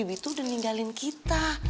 itu udah ninggalin kita